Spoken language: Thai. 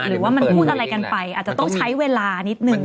หรือว่ามันพูดอะไรกันไปอาจจะต้องใช้เวลานิดนึง